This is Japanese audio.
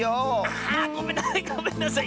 あごめんごめんなさい。